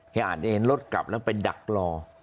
อ่านเห็นรถกลับแล้วไปดักรอ